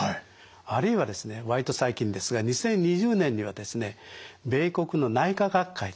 あるいはですね割と最近ですが２０２０年にはですね米国の内科学会ですね